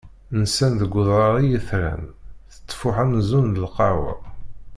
Nsan deg udrar i yetran, tettfuḥ amzun d lqahwa.